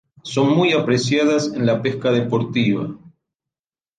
Son muy apreciadas en la pesca deportiva.